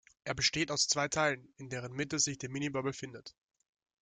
Er besteht aus zwei Teilen, in deren Mitte sich die Minibar befindet.